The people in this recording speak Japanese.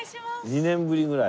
２年ぶりぐらい？